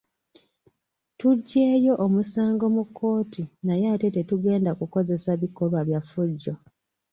Tuggyeeyo omusango mu kkooti naye ate tetugenda kukozesa bikolwa byaffujjo.